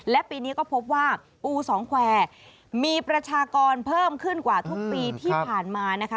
และปีนี้ก็พบว่าปูสองแควร์มีประชากรเพิ่มขึ้นกว่าทุกปีที่ผ่านมานะคะ